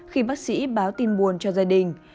khi bác sĩ báo tin buồn cho gia đình